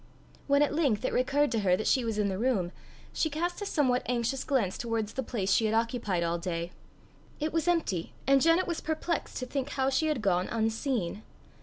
When at length it recurred to her that she was in the room, she cast a somewhat anxious glance towards the place she had occupied all day. It was empty; and Janet was perplexed to think how she had gone unseen.